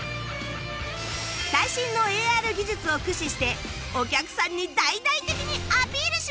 最新の ＡＲ 技術を駆使してお客さんに大々的にアピールします！